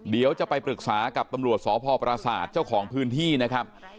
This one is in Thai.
เดี๋ยวจะไปปรึกษากับตำรวจสพประสาทเจ้าของพื้นที่นะครับ